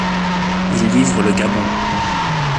Il livre le Gabon.